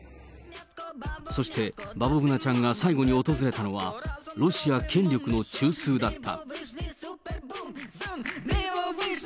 そして、バボブナちゃんが最後に訪れたのは、ロシア権力の中枢だった。